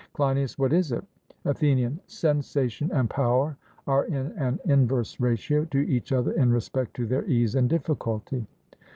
CLEINIAS: What is it? ATHENIAN: Sensation and power are in an inverse ratio to each other in respect to their ease and difficulty.